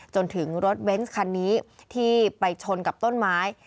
จนถึงรถเบนส์คันนี้ที่ไปชนกับต้นไม้